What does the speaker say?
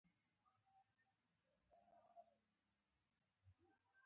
هو ما د مينې سره خبرې وکړې